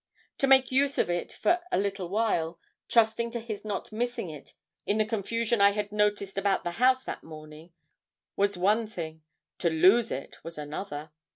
To make use of it for a little while, trusting to his not missing it in the confusion I had noticed about the house that morning, was one thing; to lose it was another.